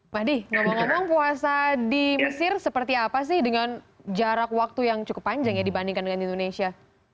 madi ngomong ngomong puasa di mesir seperti apa sih dengan jarak waktu yang cukup panjang ya dibandingkan dengan di indonesia